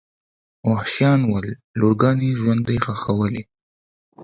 وحشیان ول لورګانې ژوندۍ ښخولې.